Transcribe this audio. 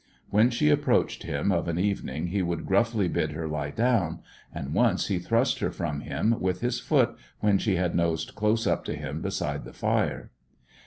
When she approached him of an evening he would gruffly bid her lie down, and once he thrust her from him with his foot when she had nosed close up to him beside the fire.